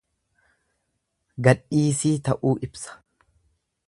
Gadhiisii ta'uu ibsa.